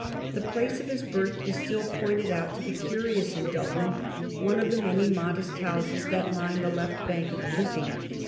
The place of his birth is still pointed out to the curious in Dublin: one of the many modest houses that line the left bank of the Liffey.